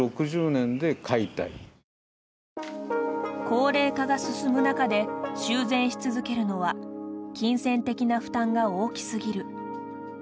高齢化が進む中で修繕し続けるのは金銭的な負担が大きすぎる。